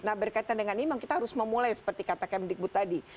nah berkaitan dengan ini memang kita harus memulai seperti kata kemdikbud tadi